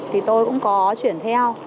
thì tôi cũng có chuyển theo